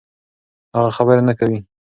هغه خبرې نه کوي.